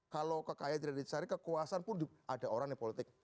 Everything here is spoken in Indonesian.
kalau kekayaan tidak dicari kekuasaan pun ada orang yang politik